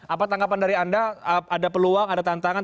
apa tanggapan dari anda ada peluang ada tantangan